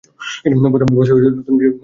বস, নতুন মিশনের সংক্ষিপ্ত চিত্র।